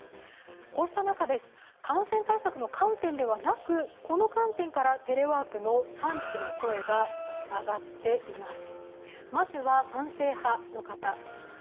こうした中、感染対策の観点ではなくテレワークの賛否の声が上がっています。